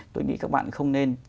tôi nghĩ các bạn không nên